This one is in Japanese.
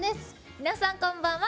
皆さん、こんばんは。